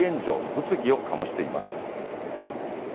物議を醸しています。